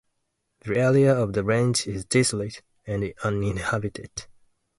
The area of the range is desolate and uninhabited.